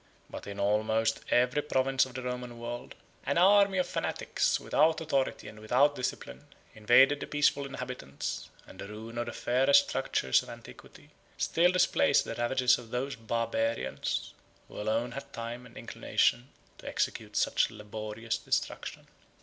34 But in almost every province of the Roman world, an army of fanatics, without authority, and without discipline, invaded the peaceful inhabitants; and the ruin of the fairest structures of antiquity still displays the ravages of those Barbarians, who alone had time and inclination to execute such laborious destruction.